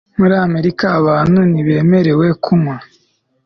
Muri Amerika abantu ntibemerewe kunywa